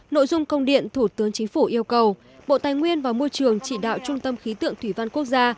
nội dung công điện thủ tướng chính phủ yêu cầu bộ tài nguyên và môi trường chỉ đạo trung tâm khí tượng thủy văn quốc gia